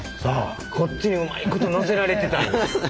こっちにうまいこと乗せられてたんや。